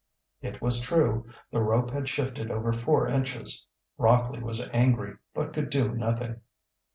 It was true, the rope had shifted over four inches. Rockley was angry, but could do nothing.